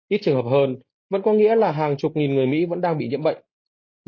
ít trường hợp hơn vẫn có nghĩa là hàng chục nghìn người mỹ vẫn đang bị nhiễm bệnh